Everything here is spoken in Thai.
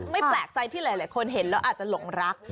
แปลกใจที่หลายคนเห็นแล้วอาจจะหลงรัก